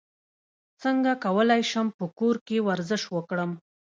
څنګه کولی شم په کور کې ورزش وکړم